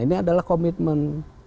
ini adalah komitmen